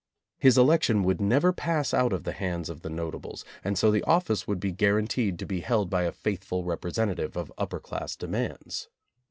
His election would never pass out of the hands of the notables, and so the office would be guaranteed to be held by a faithful representative of upper class demands.